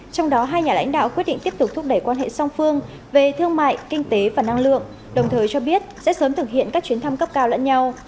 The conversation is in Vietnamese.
trong đó hai nhà lãnh đạo quyết định tiếp tục thúc đẩy quan hệ song phương về thương mại kinh tế và năng lượng đồng thời cho biết sẽ sớm thực hiện các chuyến thăm cấp cao lẫn nhau